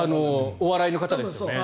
お笑いの方ですよね。